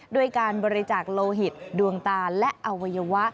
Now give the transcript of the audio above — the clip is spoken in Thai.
ด้วยการบริจาคโลหิตดวงตาและอวัยวะ